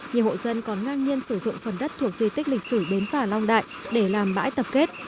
nhiều hộ dân còn ngang nhiên sử dụng phần đất thuộc di tích lịch sử bến phà long đại để làm bãi tập kết